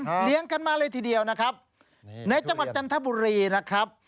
เลี้ยงกันมาเลยทีเดียวนะครับนี่ในจังหวัดจันทบุรีนะครับ